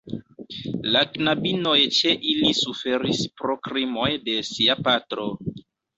La knabinoj ĉe ili suferis pro krimoj de sia patro.